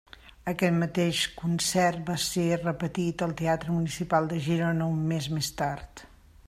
Aquest mateix concert va ésser repetit al Teatre Municipal de Girona un mes més tard.